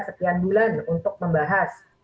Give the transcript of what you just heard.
sekian bulan untuk membahas